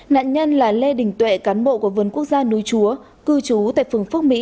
nạn nhân là lê đình tuệ cán bộ của vườn quốc gia núi chúa cư trú tại phường phước mỹ